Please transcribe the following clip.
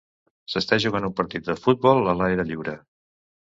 S'està jugant un partit de futbol a l'aire lliure.